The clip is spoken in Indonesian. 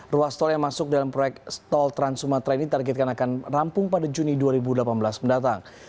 ruas tol yang masuk dalam proyek tol trans sumatera ini targetkan akan rampung pada juni dua ribu delapan belas mendatang